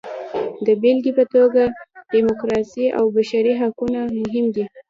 د بېلګې په توګه ډیموکراسي او بشري حقونه مهم دي.